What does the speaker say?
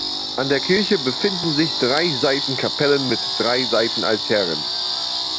An der Kirche befinden sich drei Seitenkapellen mit Seitenaltären.